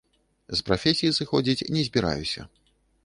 З прафесіі сыходзіць не збіраюся.